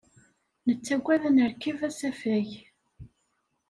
Nettagad ad nerkeb asafag.